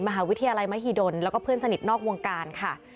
มหาวิทยาลัยมหิดลแล้วก็เพื่อนสนิทนอกวงการค่ะ